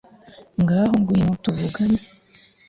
ngaho ngwino tuvugane